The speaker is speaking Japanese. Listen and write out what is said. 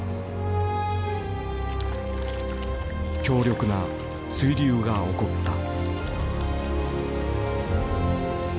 強力な水流が起こった。